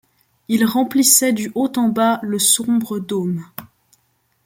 Il remplissait du haut en bas le sombre dôme